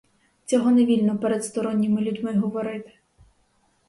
Цього невільно перед сторонніми людьми говорити.